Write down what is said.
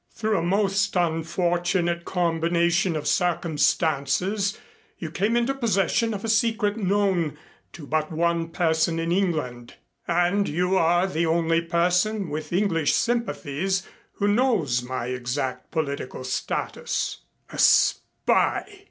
Through a most unfortunate combination of circumstances you came into possession of a secret known to but one person in England; and you are the only person with English sympathies who knows my exact political status " "A spy!"